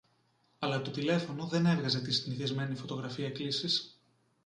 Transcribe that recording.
αλλά το τηλέφωνο δεν έβγαζε τη συνηθισμένη φωτογραφία κλήσης